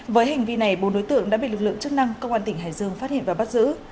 với hành vi này bốn đối tượng đã bị lực lượng chức năng công an tỉnh hải dương phát hiện và bắt giữ